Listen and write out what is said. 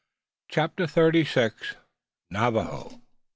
CHAPTER THIRTY SIX. NAVAJOA.